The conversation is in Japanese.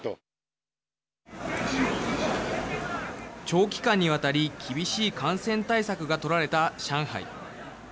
長期間にわたり厳しい感染対策が取られた上海。